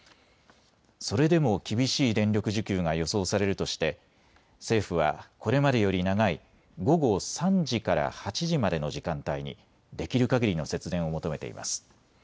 それでも厳しい電力需給が予想されるとして政府はこれまでより長い午後３時から８時までの時間帯にできるかぎりの節電を求めています。